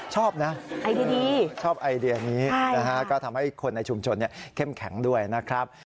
ชอบนะไอเดียชอบไอเดียนี้นะฮะก็ทำให้คนในชุมชนเข้มแข็งด้วยนะครับ